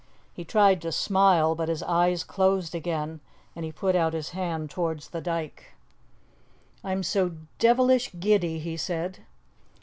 He tried to smile, but his eyes closed again, and he put out his hand towards the dyke. "I'm so devilish giddy," he said.